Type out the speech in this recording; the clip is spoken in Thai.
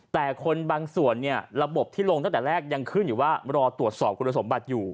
แต่คนบางส่วนเนี่ยระบบที่ลงตั้งแต่แรกยังขึ้นอยู่ว่ารอตรวจสอบคุณสมบัติอยู่